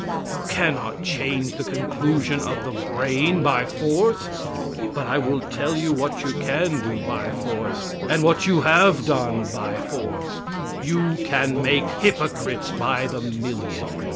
You cannot change the conclusion of the brain by force, but I will tell you what you can do by force, and what you have done by force. You can make hypocrites by the million.